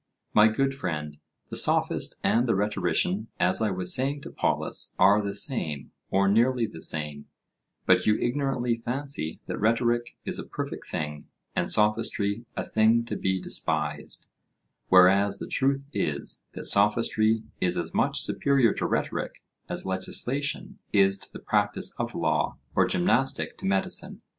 My good friend, the sophist and the rhetorician, as I was saying to Polus, are the same, or nearly the same; but you ignorantly fancy that rhetoric is a perfect thing, and sophistry a thing to be despised; whereas the truth is, that sophistry is as much superior to rhetoric as legislation is to the practice of law, or gymnastic to medicine.